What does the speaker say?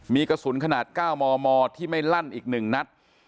มีกระสุนขนาด๙มมที่ไม่ลั่นอีก๑นัด